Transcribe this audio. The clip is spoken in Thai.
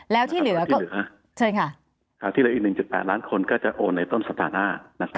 แล้วที่เหลือ๗ล้านคนก็จะโอนในต้นสัปดาห์หน้า